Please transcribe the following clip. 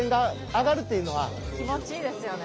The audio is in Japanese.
やっぱり気持ちいいですよね。